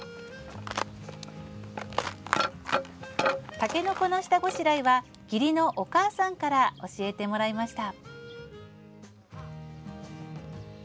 たけのこの下ごしらえは義理のお母さんから教えてもらいました。